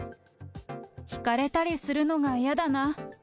引かれたりするのがやだな。